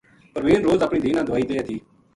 پروین روز اپنی دھی نا دوائی دیے تھی